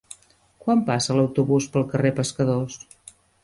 Quan passa l'autobús pel carrer Pescadors?